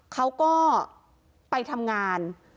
เขาก็ไปทำงาน